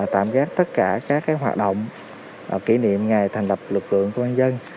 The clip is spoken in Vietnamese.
tạm gác tất cả các hoạt động kỷ niệm ngày thành lập lực lượng công an dân